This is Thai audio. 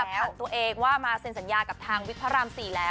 ที่จะผ่านตัวเองว่ามาเซ็นสัญญากับทางวิทยาลัยภารมณ์๔แล้ว